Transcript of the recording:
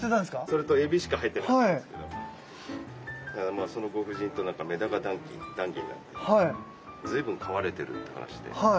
それとエビしか入ってなかったんですけどそのご婦人とメダカ談議になって随分飼われてるって話で。